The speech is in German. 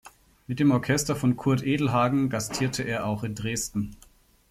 Mit dem Orchester von Kurt Edelhagen gastierte er auch in Dresden.